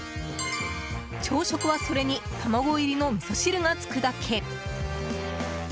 朝食はそれに卵入りのみそ汁がつくだけ。